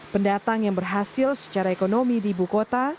pendatang yang berhasil secara ekonomi di ibu kota